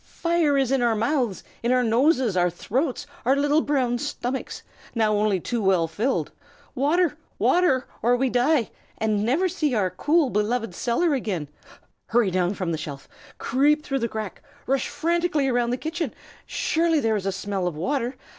fire is in our mouths, in our noses, our throats, our little brown stomachs, now only too well filled. Water! water! or we die, and never see our cool, beloved cellar again. Hurry down from the shelf, creep through the crack, rush frantically round the kitchen. Surely there is a smell of water?